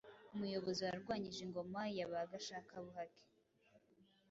umuyobozi warwanyije ingoma ya ba gashakabuhake